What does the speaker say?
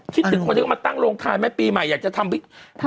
คิดถึงคนที่มาตั้งโรงทางแม่ปีใหม่อยากจะทำวิทยาลัย